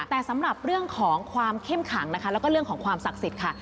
แต่สำหรับเรื่องของความเข้มขังนะคะแล้วก็เรื่องของความศักดิ์สิทธิ์ค่ะ